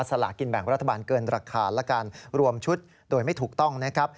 สลากินแบ่งรัฐบาลเกินราคาและการรวมชุดโดยไม่ถูกต้องนะครับ